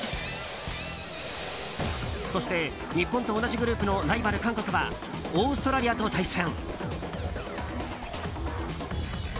そして日本と同じグループのライバル、韓国はオーストラリアと対戦。